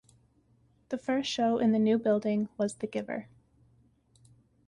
The first show in the new building was The Giver.